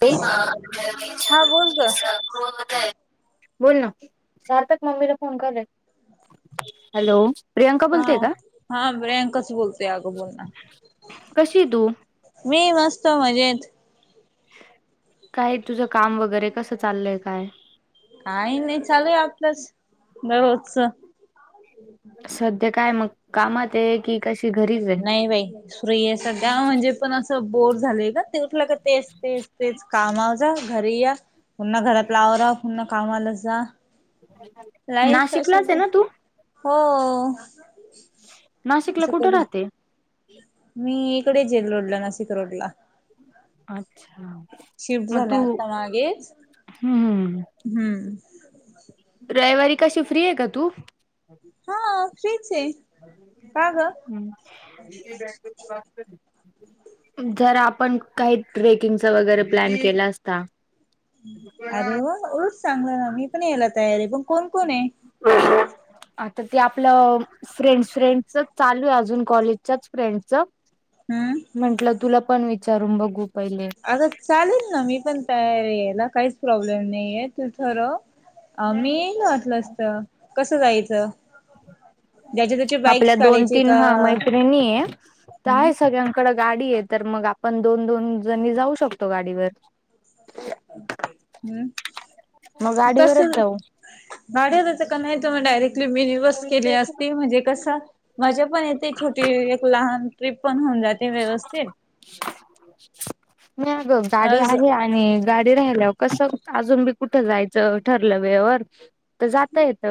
तय. हा बोल ग [unintelligible] बोल ना, सारतक मम्मीला फोन कर, हॅलो. प्रियांका हा बोलते का हा, प्रियांकच बोलतय अगं बोलना. कशी तू? मी मस्त मजेत! काय तुझं काम वगैरे कसं चाललंय काय? काही नाही चालूय आपल्याच दररोजच. सध्या काय मग, कामात आहे की? कशी घरी? नाही बाई सुरेय सध्या म्हणजे पण असं बोर झाले का तेठला क. तेच तेच तेच कामा जा घरी या पुन्हा घरातजेला आवरा पुन्हा कामाला जा. लाईफ अशी नाशिकलाच आहे ना तू? हो. नाशिकला असं कुठे कुठ राहते? मी इकडेच येेल, रोडला नाशिक रोड ला. अच्छा! मग झाल्या तू, आता मागेच हम्म. हम्म. रविवारी कशी फ्री आहे का तू? हा फ्रीच आहे, का ग? [unintelligible] जर आपण काही ट्रेकिंगच वगैरे प्लॅन केला असता. अरे वा ओळच चांगलं ना, मी पण यायला तयार आहे पण कोण कोण ये? ह हा. आता ते आपलं फ्रेंड फ्रेंडस चालू आहे अजून कॉलेजच्याच फ्रेंड्सच. हम्म म्हंटलं तुला पण विचारून बघू. पहिले. आता चालेल ना मी पण तयार यायला काहीच प्रॉब्लेम नाहीये तू खरं. अ मी वाटलं असत कसं जायचं. ज्याच्या त्याचे आपल्या बाईक्स दोन काढायचे तीन का हा मैत्रिणी आहे तर हम्म आहे सगळ्यां. कड गाडी आहे तर मग आपण दोन दोन जणी जाऊ शकतो गाडीवर. हम्म. मग गाडीवरच जाऊ. गाड्यातच का नाही तो मग डायरेक्टली मि बस केली असते म्हणजे कसा. मज्या पण येते छोटी एक लहान ट्रीप पण होऊन जाते. व्यवस्थित नाही अगं, गाडी आज आहे आणि गाडी राहिल्या. कसं अजून बी कुठं जायचं ठरलं वेळेवर तर जाता येत.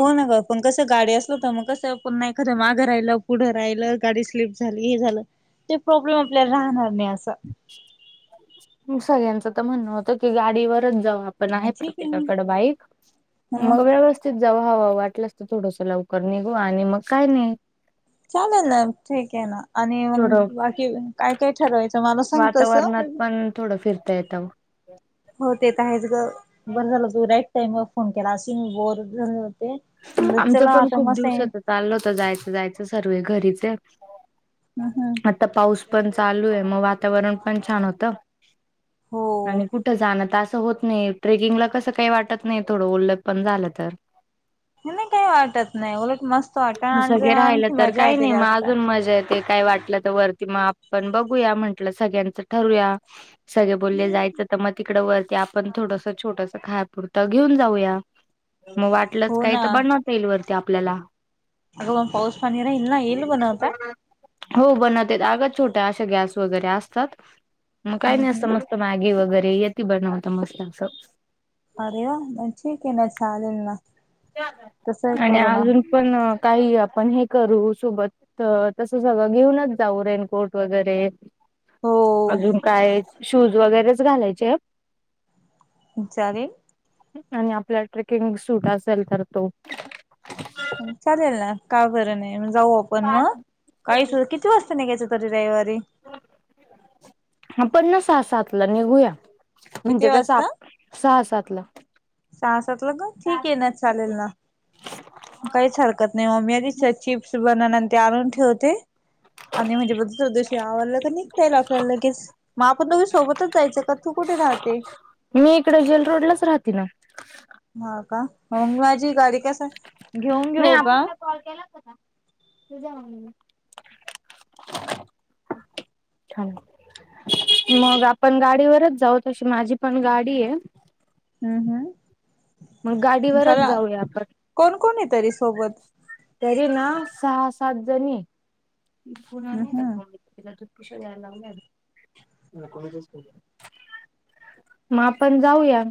होना ग पण कसं गाडी असल हो तर मग कसं पण नाही करं माघं राहिलं, पुढं राहिलं गाडी स्लीप झाली हे झालं ते प्रॉब्लेम आपल्याला राहणार नाही असा सगळ्यांच तर म्हणणं होत की गाडीवरच जाऊ आप पण ह आहे ठीक प्रत्येकाकड ना बाईक हा मग व्यवस्थ जव हवा वाटलास तर थोडंसं लवकर निघू आणि मग काय नाही चालेल ना ठीक आहे ना आणि थोडं मग बाकी काय, काय ठरवायचं मला सांगतस ह थोडं फिरता येतताव हो ते तर आहेच ग बरं झालं तू राईट टाइमवर फोन केला असे मी बोर झा म्हणलं चला आता मस चालल होत जायचं जायचं सर्वे घरीच आप हम, हम ता पाऊस पण चालू आहे मग वातावरण पण छान होतं हो आणि कुठं जाणं त आस होत नाही ट्रेकिंगला कसं काही वाटत नाही थोडं ओलट पण झालं तर हे नाई काही वाटत नाही उलट मस्त वाटत आणि सगळे जरा राहिलं आणखी तर मजा काही येते नाही मग जास्त अजून मजा येत ते काय वाटलं तर वरती मग आपण बघूया म्हंटलं सगळ्यांचं ठरूया सगळे बोलले जायचं तर मग तिकड वरती आपण थोडस छोटस खायपुरतं घेन जाऊया मग वाट लच हो काही ना तर बनवता येईल वरती आपल्याला अग पाऊस पाणी राइल ना येईल बनवता हो बनवतेत अग छोट्या अशा गॅस वगैरे असतात मग काही, हम्म नाही असत हम्म. मस्त मॅगी वगैरे यती बनवता मस्त अस आरे वा म ठीक आहे ना चालेल ना तसं आणि करू ना. अजून पण काही आपण हे करू सोबत तर तसं सगळं घेऊनच जाऊ रेनकोट वगैरे हो अजून काय शूज वगैरेच घालायचेत चालेल आणि आपल्या ट्रेकिंग सूट असेल तर तो चालेल ना काय बरं नाही जाऊ आपण मग काही सुध कि किती वाजता निघयच तरी रविवारी आपण ना सहा, सातला निघूया किती म्हणजे कसं आप वाजता? सहा, सात ला सहा, सात लग ठीक आहे ना चालेल ना काहीच हरकत नाही म आधी चिप्स बनवणार ते आणून ठेवते आणि म्हणजे बद चौदशी आवला का निघता येईल आपल्याला लगेच मग आपण दोघी सोबतच जायचं का तू कुठे राहते? मी इकडे जेल रोडलाच राहती ना ह का मंग माझी गाडी कस आहे नाही आप कॉल केला कता तुझा म् छान मग आपण गाडीवरच जाऊ तशी माझी पण गाडी आहे हम्म, मग हम्म गाडीवरच जरा जाऊया आपण कोण, कोण आहे तरी सोबत तरी ना सहा, सात जणी हम्म हम्म तिला दुधपूश द्यायला लावल्या न मग आपण जाऊया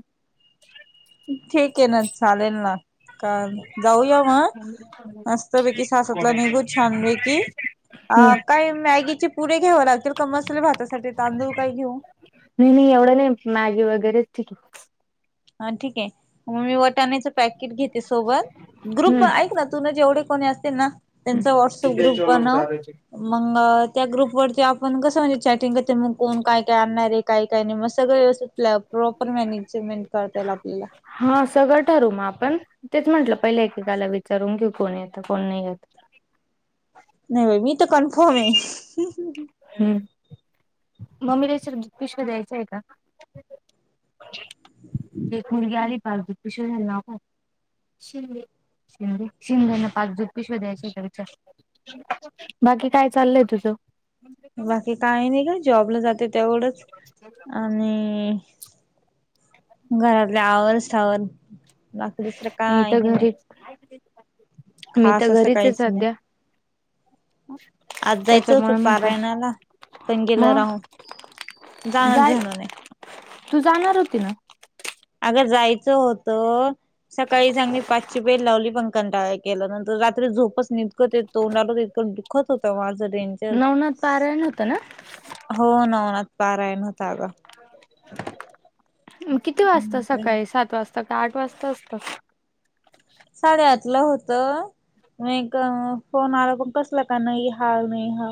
ठीक आहे ना चालेल ना का जाऊया म हम्म मस्त पैकी सासातला निघू छान रे की अ काय मॅगीचे पुढ घ्याव लागतील का मसले भातासाठी तांदूळ काय घेऊ नाही नाही एवढं नाही मॅगी वगैरेच हा ठीके मग मी वटाण्याचं पॅकेट घेते सोबत. ग्रुप हम्म ऐक ना तुन जेवढे कोणी असतील ना त्यांचा व्हॉट्सअप ग्रुप बनव. मग त्या ग्रुप वरती आपण कसं म्हणजे चॅटिंग करत मग कोण काय काय आणणार आहे. काही काही नाही मग सगळं व्यवस्थित प्रॉपर मॅनेजमेंट करता येईल आपल्याला. हा सगळं ठरू म आपण तेच म्हंटलं पहिले एककाला विचारून की कोण येतं कोण नाही येत. नाही बा मी तर कन्फर्म आहे. हम्म म्मीला सर पिशक द्यायचं आहे का? ते मुलगी आली पाार ब पश झा ना का? शिे शिंदे शिंदेना पाच झो पिशव द्याची सत. बाकी काय चाललय तुझं? बाकी काही नाही का जॉबला जाते तेवढंच आणि घरातल्या आव स्वर. मी तर घरीच मी खास तर असं घरीच आहे काहीच नाही सध्या. आज जायचं होतं त्याच्यामुळे म्हटलं पारायणाला पण गेल मग राहून. जाण जाय जाण नाही. तू जाणार होती ना. अगर जायचं होतं सकाळी सांगली पाचशे पेर लावली पं. कंटा केलं नंतर रात्री झोपच निघत तोंडाल ततकं दुखत होतं. डेंर नवनाथ पारायण होतं ना हो ना होन पारा आहे नवता अगं. किती वाजता सकाळी सात वाजता का आठ वाजता असत. साडेआतलं होत. म फोन आला पण कसला का नाही हा नाही हा.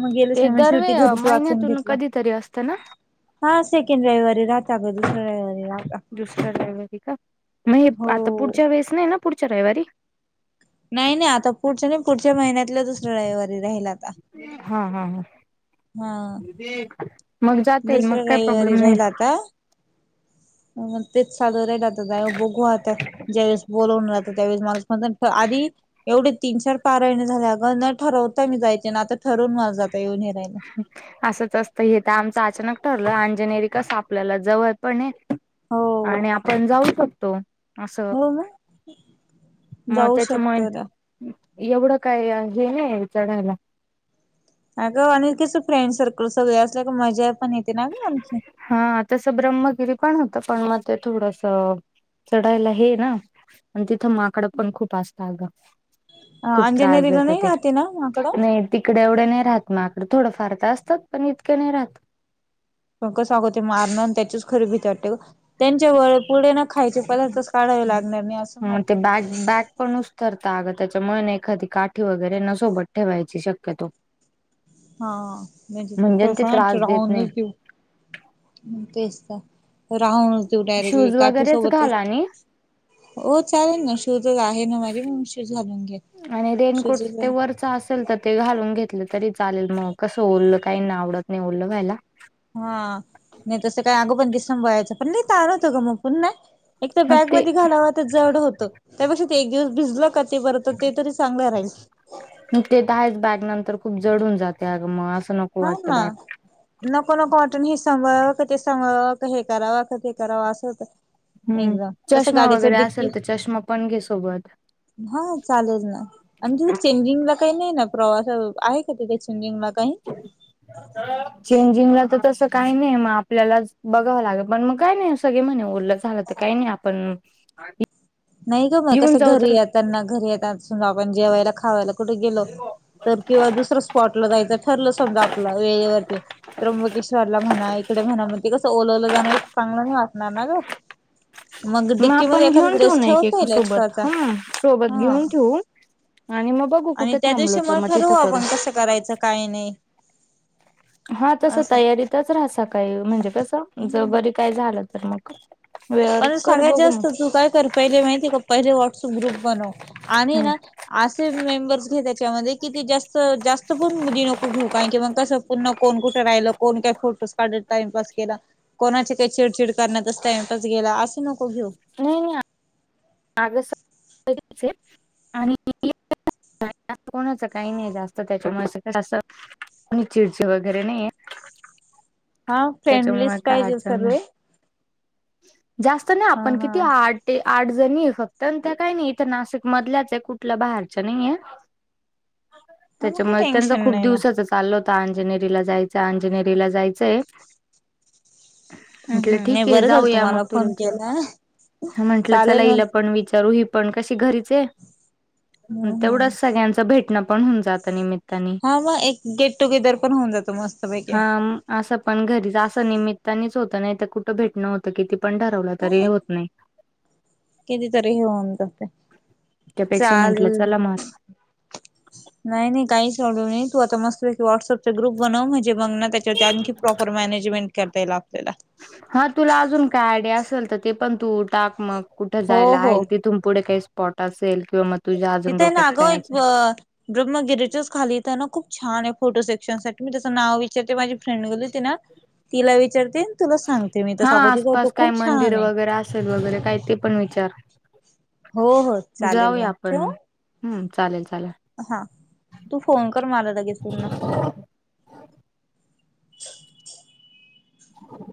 मग गेलच ते नाही मग दरवे शेवटी घरीच वाचून महिन्यातून घेतला कधीतरी हा सेकंड रविवारी. राहता ग दुसऱ्या रविवारी राहता दुसरा रविवारी का मग हो आता पुढच्या वेळेस नाही ना. पुढच्या रविवारी. नाही नाही आता पुढच्या नाही पुढच्या महिन्यातला दुसऱ्या रविवारी राहील आता. हा हा हा. हा. मग जातीलल मग दुसऱ्या काय रविवारी प्रॉब्लेम नाही. राहिला आता मग तेच साधर. बघूह ज्यावेळेस बोलवून राह त्यावेळेस माणूस म्हण आधी एवढीच. तीन चार पारयणी झाल्या अगं न ठरवताय मी जायचे ना आता ठरवून मला जाता येऊन हिरायला. असंच असत हे तर आमचं अचानक ठरलं अंजनेरी कस आपल्याला जवळ पण. हो आणि आपण जाऊ शकतो. असं हो मग मग जाऊ त्याच मन. शकतो ना. एवढं काय हे नाही चणायला. अगं अनिल कसं फ्रेंड सर्कल सगळे असल्या का मजा पण येते ना ग आणखी. हा तसं ब्रह्मगिरी पण होत पण मग ते थोडस चढायला हे ना. आणि तिथं माकडं पण खूप असतं अगं. खूप त्रास अंजनेरीला देत नाही ते राहते ना माकडं नाही. तिकडे एवढे नाही राहत माकं थोडंफार तर असतात पण इतके नाही राहत. मग कसग हो ते मारणं त्याचीच खरी भीती वाटते ग. त्यांच्या व पुढे न खायचे पदार्थच काढावे लागणार नाही असं म्हण. रता आगं त्याच्यामुळे एखादी काठी वगैरे नसोबत ठेवायची शक्यतो. हा म्हणजे न ते फसा ना त्रास देत राहूनच नाही देऊ तेच तर राहूनच देऊ डायरेक्टली शूज काठी वगैरेच सोबतच. घाला आणि हो चालेल ना शूधच आहे ना माझ मग शूज घालून घे शूज. चल तर ते घालून घेतलं तरी चालेल मग कसं ओरलं काही नाही आवडत नाही ओरलं व्हायला. हा नाही तसं काही अगोपण दिस संभवायच पण नाही लवतो ग मग पुन्हा. एक तर हा ते बॅगमध्ये घालावत जड होतं त्यापेक्षा ते एक दिवस भिजला क ते परत ते तरी चांगलं राहील. मी ते तर आहेच बॅग नंतर खूप जड होऊन जाते अगं म असं नक हा ना. नको ना कॉटन हे सांभाळवं क ते सांभाळवं क हे करावं का ते करावं असं होतं. हम्म चष्मा वगैरे असेल तर चष्मा पण घे सोबत. हा चालेल ना. आणि तिथे चेंजिंगला काही नाही ना प्रवास आहे का तिथे चेंजिंगला काही? [inaudible] चेंजिंग ला तर तसं काही नाही मग आपल्यालाच बघावं लागे पण मग काय नाही सगळे म्हणे उरलं. झालं तर काही नाही आपण नाही का म घेऊन कसं जाऊ घरी तर येतांना घरी [unintelligible] आपण जेवायला खावायला कुठे गेलो तर किंवा दुसरा स्पॉटला जायचं ठरलं समजा आपला वेळेवरती त्र्यंबकेश्वरला म्हणा इकडे म्हणा म ते कसं ओलावलं जाणार चांगलं नाही वाटणार ना गं. मग डिक्की मध्ये आपण एखादा घेऊन ठेवू ड्रेस ना एक ठेवता एक येईल सोबत एक्स्ट्राचा सोबत हा. घेऊन ठेवू. आणि मग बघू आणि कुठे त्या थांबलो दिवशी तर मला मग ठरवू तिथं करू. आपण कसं करायचं काही नाही. हा तसं असं तयारीतच राह सकाळी म्हणजे कसं जर हम्म बरी काय झालं तर मग वेळेवर पण करू सगळ्यात बघू मग जास्त तू काय कर पहिले माहिती का पहिले व्हॉट्सअप ग्रुप बनव आणि हम्म. ना असे मेंबर्स घे त्याच्यामध्ये कि ते जास्त जास्त पण बुदी नको घेऊ कारण की म कसं पुन्हा कोण कुठे राहिलं कोण काही फोटोस काढत टाइमपास केला कोणाचे काही चिडचिड करण्यातच टाइम तच गेला असं नको घेऊ. नाही नाही [unintelligible] [inaudible] असं कोणाचं काही नाही जास्त त्याच्यामुळे. [unintelligible] आणि चिडच वगैरे नाही आहे हा त्याच्यामुळे फ्रेंडलीच काय पाहिजे अडचण नाय. सर्व हा जास्त नाही आपण हा किती आठ ते आठ जणी आहे फक्त त्या काही नाही इथं नाशिक मधल्याच आहे कुठल्या बाहेरच नाहीय. हा मग काही त्याच्यामुळे त्यांचा टेन्शन खूप नाही ना दिवसाचच चाललो होता अंजनेरी ला जायचं अंजनेरी ला जायचंय हम्म हम्म नी बरगल या मग तुला विचारलं म्हटलं चला चालेल मग हिला पण विचारू ही पण कशी घरीच हम्म हम्म तेवढच सगळ्यांचा भेट ना पण होऊ जातं निमित्त. हा मग एक गेट टुगेदर पण होऊन जातो मस्त हा पैकी. असं पण घरीच असं निमित्तानेच होतं नाही तर कुठं भेटणं होतं किती पण ठरवलं हा तरी ये होत नाही. कितीतरी हे होऊन जाते त्यापेक्षा म्हंटलं चालेल. चला मग नाही नाही काहीच प्रॉब्लेम नाही तू आता मस् तु एक व्हॉट्सअपचा ग्रुप बनव म्हणजे मंग ना त्याच्यावर आणखी प्रॉपर मॅनेजमेंट करता येईल आपल्याला. हा तुला अजून काय आयडिया असेल तर ते पण तू टाक मग. कुठं हो जायला हो आहे तिथून पुढे काही स्पॉट असेल किंवा म तुझ्या अजून डोक्यात काय असेल ड्रमं गिरेचस खाली इथं ना खूप छान आहे फोटो सेक्शन साठी मी त्याचं नाव विचारते माझी फ्रेंड गेलीती ना. तिला विचारते आन तुला सांगते मी तर सागवतीच होतो खूप छान आहे. चल वगैरे काय ते पण विचार. हो हो चालेल जाऊया मग आपण ठेवू? हम्म चालेल चालेल. हा तू फोन कर मला लगेच पुन्हा. हम. [inaudible]